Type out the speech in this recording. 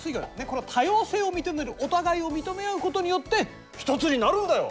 この多様性を認めるお互いを認め合うことによって１つになるんだよ！